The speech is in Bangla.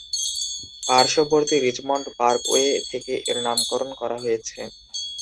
পার্শ্ববর্তী রিচমন্ড পার্কওয়ে থেকে এর নামকরণ করা হয়েছে।